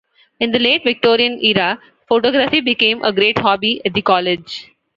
In the late Victorian era, photography became a great hobby at the college.